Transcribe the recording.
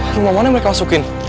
rumah mana mereka masukin